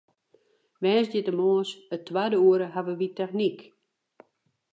Woansdeitemoarns it twadde oere hawwe wy technyk.